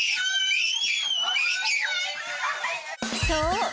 そう！